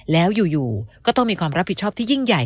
แล้วอยู่ก็ต้องมีความรับผิดชอบที่ยิ่งใหญ่